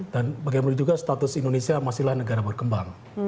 dan bagaimana juga status indonesia masihlah negara berkembang